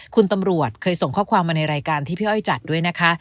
คุณตำรวจเคยส่งข้อความมาในรายการที่พี่อ้อยจัดด้วยนะคะ